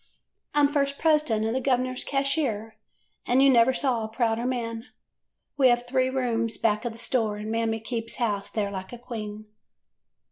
I 'm first president and the gov'ner 's cashier, an' you never saw a prouder man. We have three rooms back of the store, and Mammy keeps house there like a queen.